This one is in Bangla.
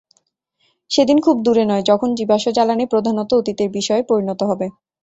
সেদিন খুব দূরে নয়, যখন জীবাশ্ম জ্বালানি প্রধানত অতীতের বিষয়ে পরিণত হবে।